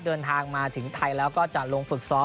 เดินทางมาถึงไทยแล้วก็จะลงฝึกซ้อม